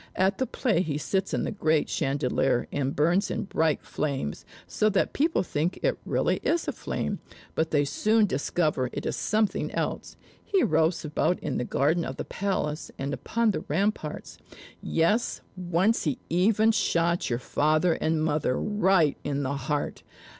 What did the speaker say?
At the play, he sits in the great chandelier and burns in bright flames, so that people think it is really a flame, but they soon discover it is something else. He roves about in the garden of the palace and upon the ramparts: yes, once he even shot your father and mother right in the heart.